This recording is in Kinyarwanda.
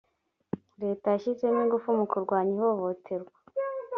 leta yashyizemo ingufu mukurwanya ihohoterwa.